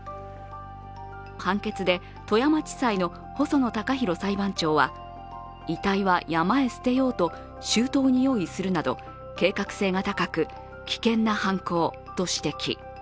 判決で富山地裁の細野高広裁判長は遺体は山へ捨てようと周到に用意するなど計画性が高く、危険な犯行と指摘。